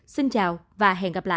xin chào và hẹn gặp lại